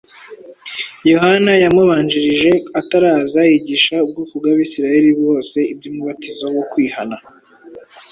Yohana yamubanjirije, ataraza, yigisha ubwoko bw’Abasirayeli bwose iby’umubatizo wo kwihana.